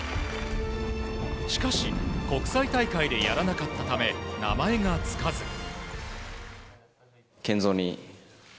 しかし、国際大会でやらなかったため、名前がつかず。